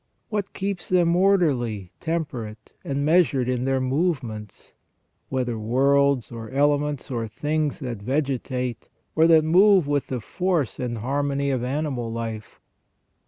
What keeps them orderly, temperate, and measured in their movements, whether worlds, or elements, or things that vegetate, or that move with the force and harmony of animal life